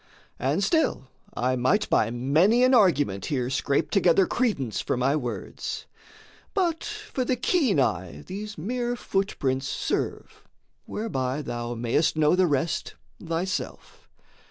And still I might by many an argument Here scrape together credence for my words. But for the keen eye these mere footprints serve, Whereby thou mayest know the rest thyself.